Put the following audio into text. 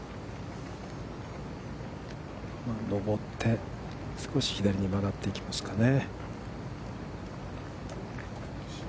上って、少し左に曲がっていきますかね。